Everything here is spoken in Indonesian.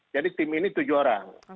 jadi tim ini tujuh orang